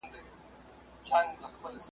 زکات د شتمنۍ د غیر عادلانه وېش مخه نیسي.